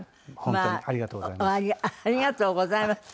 ありがとうございます。